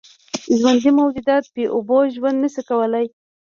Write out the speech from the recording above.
ژوندي موجودات بېاوبو ژوند نشي کولی.